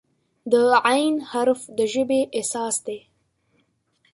د "ع" حرف د ژبې اساس دی.